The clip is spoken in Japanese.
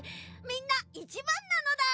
みんないちばんなのだ。